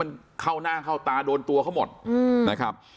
มันเข้าหน้าเข้าตาโดนตัวเขาหมดนะครับ